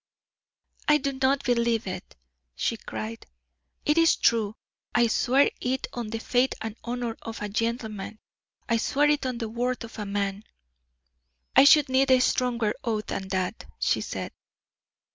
"I do not believe it," she cried. "It is true; I swear it on the faith and honor of a gentleman. I swear it on the word of a man." "I should need a stronger oath than that," she said.